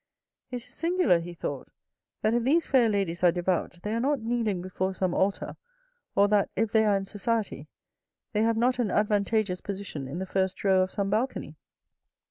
" It is singular," he thought, " that if these fair ladies are devout, they are not kneeling before some altar, or that if they are in society they have not an advantageous position in the first row of some balcony.